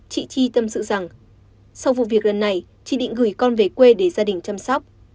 chị chi tâm sự rằng sau vụ việc lần này chị định gửi con về quê để gia đình chăm sóc